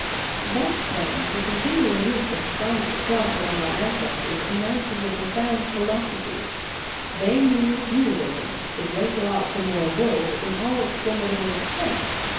Thus, then, the continual use of the Sign 224 The Sign of the Cross of the Cross among our ancestors announ ces a profound philosophy. They knew dual ism, the great law of the moral world, in all its formidable extent.